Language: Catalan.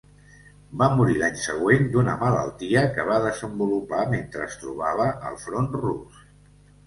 Va morir l'any següent d'una malaltia que va desenvolupar mentre es trobava al front rus.